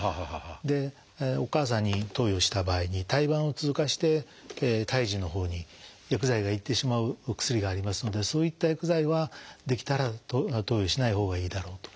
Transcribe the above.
でお母さんに投与した場合に胎盤を通過して胎児のほうに薬剤が行ってしまうお薬がありますのでそういった薬剤はできたら投与しないほうがいいだろうと。